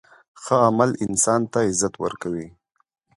ښه عمل انسان ته عزت ورکوي.